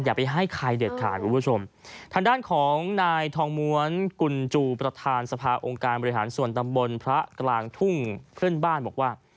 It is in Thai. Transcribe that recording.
ทางด้านของนายทองมวลกุญจูประทานสภาองค์การบริหารส่วนตำบลพระกลางทุ่งเคลื่อนบ้านบอกว่า